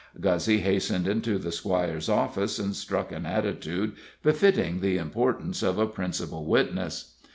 Guzzy hastened into the squire's office, and struck an attitude befitting the importance of a principal witness.